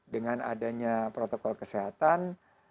dengan adanya protokol kesehatan